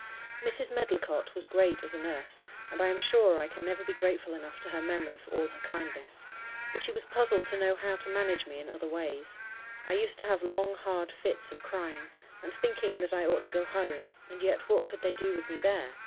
Mrs. Medlicott was great as a nurse, and I am sure I can never be grateful enough to her memory for all her kindness. But she was puzzled to know how to manage me in other ways. I used to have long, hard fits of crying; and, thinking that I ought to go home—and yet what could they do with me there?